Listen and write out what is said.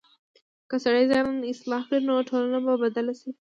که سړی ځان اصلاح کړي، نو ټولنه به بدله شي.